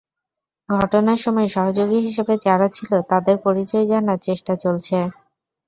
ঘটনার সময় সহযোগী হিসেবে যারা ছিল, তাদের পরিচয় জানার চেষ্টা চলছে।